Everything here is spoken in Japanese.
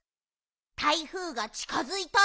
台風がちかづいたら。